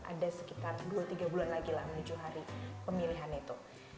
ada sekitar dua tiga bulan lagi lah menuju hari pemilihan itu